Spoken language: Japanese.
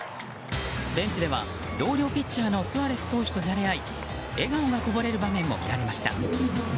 ベンチでは同僚ピッチャーのスアレス投手とじゃれ合い笑顔がこぼれる場面も見られました。